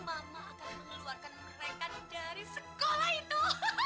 mama akan mengeluarkan mereka dari sekolah itu